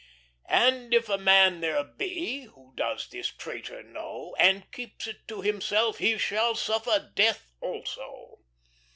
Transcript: "And if a man there be, Who does this traitor know, And keeps it to himself, He shall suffer death also!